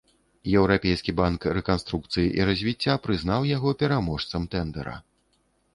Еўрапейскі банк рэканструкцыі і развіцця прызнаў яго пераможцам тэндэра.